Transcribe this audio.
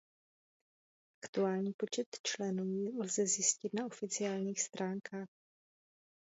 Aktuální počet členů lze zjistit na oficiálních stránkách.